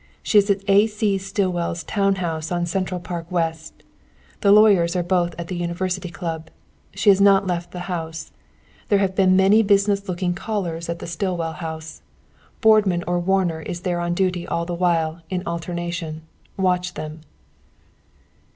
She is at A. C. Stillwell's town house on Central Park West. The lawyers are both at the University Club. She has not left the house, and there have been many business looking callers at the Stillwell house. Boardman or Warner is there on duty all the while, in alternation. Watch them."